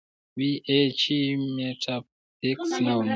وې ئې چې ميټافزکس نۀ منم -